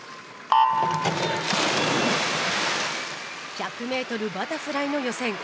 １００メートルバタフライの予選。